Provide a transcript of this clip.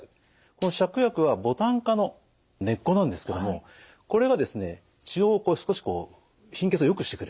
この芍薬はボタン科の根っこなんですけどもこれがですね血を少しこう貧血をよくしてくれる。